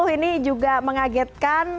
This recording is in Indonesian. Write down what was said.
ini juga mengagetkan